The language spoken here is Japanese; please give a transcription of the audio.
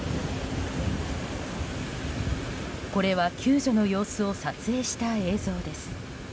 これは救助の様子を撮影した映像です。